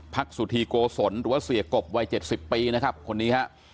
พรรคสุธีโกสนหรือว่าเสียกบวัยเจ็ดสิบปีนะครับคนนี้ฮะ